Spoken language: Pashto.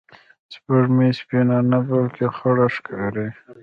سپوږمۍ سپینه نه، بلکې خړه ښکاري